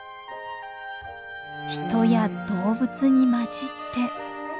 人や動物に交じって。